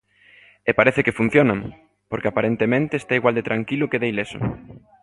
E parece que funcionan, porque aparentemente está igual de tranquilo que de ileso.